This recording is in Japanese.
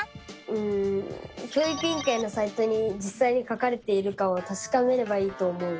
うん教育委員会のサイトにじっさいに書かれているかをたしかめればいいと思う！